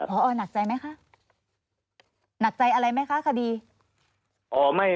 พอหนักใจไหมคะหนักใจอะไรไหมคะคดี